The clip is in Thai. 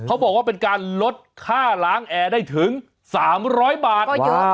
เขาบอกว่าเป็นการลดค่าล้างแอร์ได้ถึง๓๐๐บาท